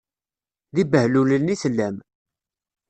D ibehlulen i tellam.